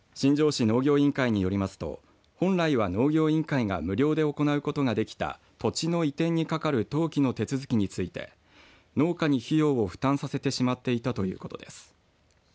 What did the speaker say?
市農業委員会によりますと本来は農業委員会が無料で行うことができた土地の移転にかかる登記の手続きについて農家に費用を負担させてしまっていたということです。